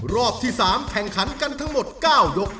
รอบที่๓แข่งขันกันทั้งหมด๙ยก